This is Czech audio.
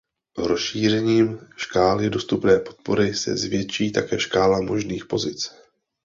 Rozšířením škály dostupné podpory se zvětší také škála možných pozic.